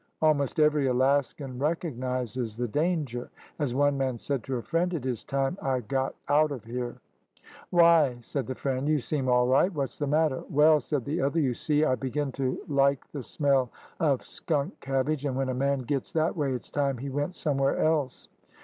Almost every Alaskan recog nizes the danger. As one man said to a friend, "It is time I got out of here." "Why.f*" said the friend, "you seem all right. What's the matter.?" " Well," said the other, "you see I begin to like the smell of skunk cabbage, and, when a man gets that way, it's time he went somewhere else."